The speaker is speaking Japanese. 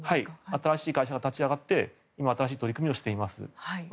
新しい会社が立ち上がって新しい取り組みをしています。